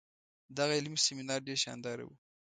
دغه علمي سیمینار ډیر شانداره وو.